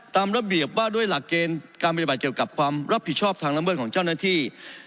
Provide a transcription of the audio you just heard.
ตามระเบียบว่าด้วยหลักเกณฑ์การปฏิบัติเกี่ยวกับความรับผิดชอบทางละเมิดของเจ้าหน้าที่